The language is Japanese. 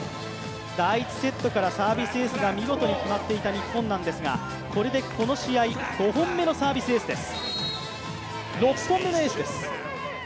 第１セットからサービスエースが見事に決まっていた日本なんですがこれでこの試合、６本目のサービスエースです。